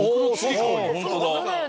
本当だ。